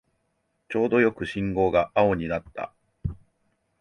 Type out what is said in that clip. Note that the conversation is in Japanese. ちょうどよく信号が青になった